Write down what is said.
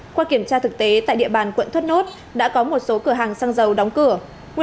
qua kiểm tra thực tế tại địa bàn quận thốt nốt đã có một số cửa hàng xăng dầu đóng cửa